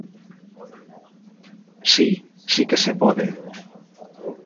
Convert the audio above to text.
Si, si que se pode.